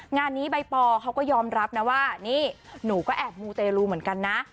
งานนี้ใบปอเขาก็ยอมรับนะว่านี่หนูก็แอบมูเตรลูเหมือนกันนะ